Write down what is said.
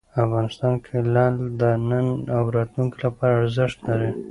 افغانستان کې لعل د نن او راتلونکي لپاره ارزښت لري.